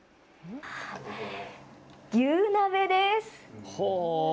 牛鍋です。